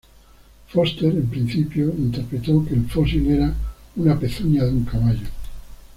Foster en principio interpretó que el fósil era una pezuña de un caballo.